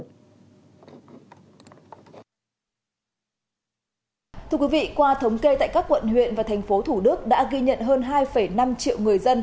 thưa quý vị qua thống kê tại các quận huyện và thành phố thủ đức đã ghi nhận hơn hai năm triệu người dân